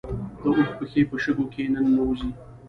د اوښ پښې په شګو کې نه ننوځي